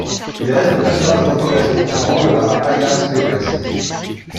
Il reste un personnage controversé pour son rôle dans la Highland Clearances.